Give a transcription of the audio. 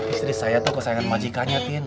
istri saya tuh kesayangan majikanya tin